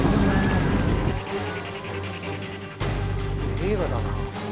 映画だな。